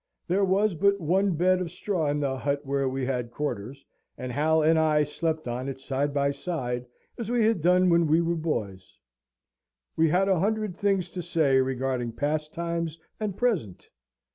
There was but one bed of straw in the hut where we had quarters, and Hal and I slept on it, side by side, as we had done when we were boys. We had a hundred things to say regarding past times and present.